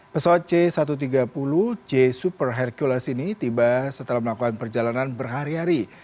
pesawat c satu ratus tiga puluh j super hercules ini tiba setelah melakukan perjalanan berhari hari